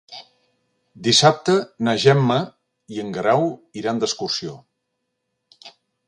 Dissabte na Gemma i en Guerau iran d'excursió.